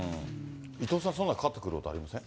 伊藤さん、そんなのかかってくることありません？